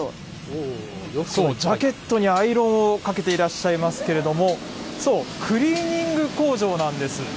ジャケットにアイロンをかけていらっしゃいますけれども、そう、クリーニング工場なんです。